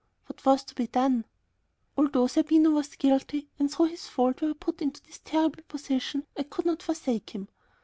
What was to be done? Although Zerbino was guilty, and through his fault we were put into this terrible position, I could not forsake him.